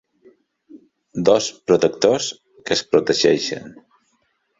Dos protectors que es protegeixen.